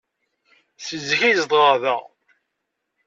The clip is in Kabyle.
Seg zik ay zedɣeɣ da.